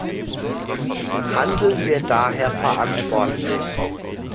Handeln wir daher verantwortlich!